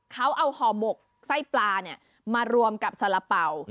เขาเอาห่อหมกไส้ปลามารวมกับสาระเป๋า